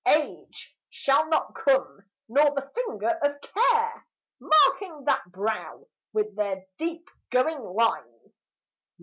Age shall not come, nor the finger of care, Marking that brow with their deep going lines.